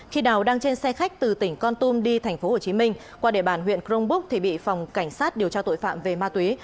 khi đào đang trên xe khách từ tỉnh con tum đi tp hcm qua địa bàn huyện crong búc thì bị phòng cảnh sát điều tra tội phạm về ma túy